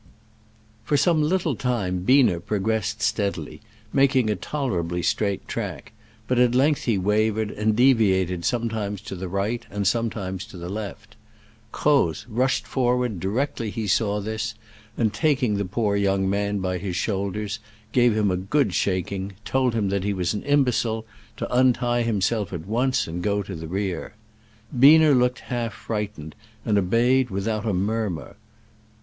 For some little time Biener progress ed steadily, making a tolerably straight track, but at length he wavered, and deviated sometimes to the right and sometimes to the left. Croz rushed for ward directly he saw this, and, taking Digitized by Google I20 SCRAMBLES AMONGST THE ALPS IN i86o '69. the poor young man by his shoulders, gave him a good shaking, told him that he was an imbecile, to untie himself at once, and go to the rear. Biener looked half frightened, and obeyed without a murmur.